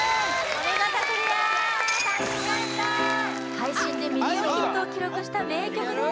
配信でミリオンヒットを記録した名曲です